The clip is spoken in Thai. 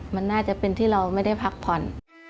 มันน่าจะเป็นที่เราไม่ได้พักผ่อน